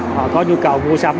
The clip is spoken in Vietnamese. họ có nhu cầu mua sắm